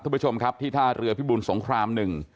ทุกผู้ชมครับที่ท่าเรือพิบูรสงคราม๑